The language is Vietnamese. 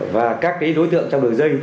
và các đối tượng trong đường dây